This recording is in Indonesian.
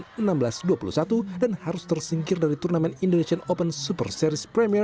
kedua dua penonton yang tertinggal singkir dari turnamen indonesian open super series premier dua ribu tujuh belas